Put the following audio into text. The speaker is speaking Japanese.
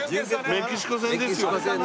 メキシコ戦ですよ。